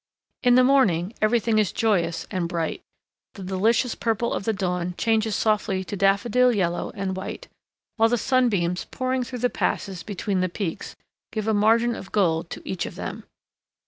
In the morning everything is joyous and bright, the delicious purple of the dawn changes softly to daffodil yellow and white; while the sunbeams pouring through the passes between the peaks give a margin of gold to each of them.